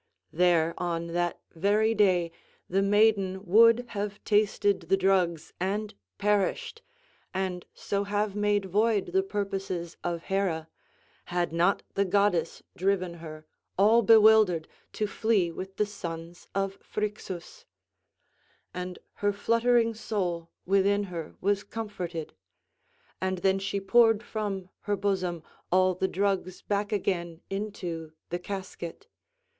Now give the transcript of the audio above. There on that very day the maiden would have tasted the drugs and perished and so have made void the purposes of Hera, had not the goddess driven her, all bewildered, to flee with the sons of Phrixus; and her fluttering soul within her was comforted; and then she poured from her bosom all the drugs back again into the casket.